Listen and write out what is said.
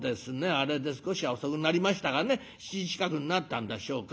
あれで少しは遅くなりましたがね７時近くになったんでしょうか。